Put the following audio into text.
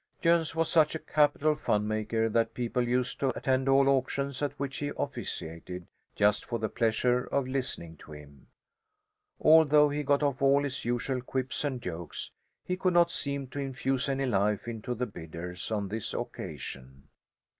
Jöns was such a capital funmaker that people used to attend all auctions at which he officiated just for the pleasure of listening to him. Although he got off all his usual quips and jokes, he could not seem to infuse any life into the bidders on this occasion.